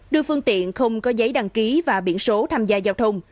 đưa phương tiện không có giấy đăng ký và biển số tham gia giao thông